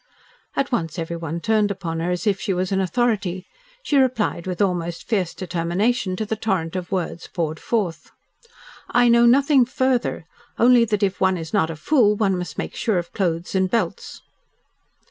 At once everyone turned upon her as if she was an authority. She replied with almost fierce determination to the torrent of words poured forth. "I know nothing further only that if one is not a fool one must make sure of clothes and belts."